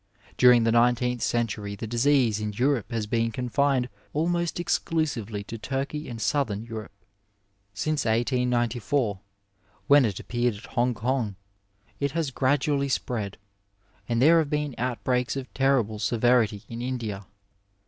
During the nineteenth century the disease in Europe has been confined almost exclusively to Turkey and Southern Europe. Since 18M, when it appeared at Hong Kong, it has gradually spread, and there have been outbreaks of terrible severiiy in India.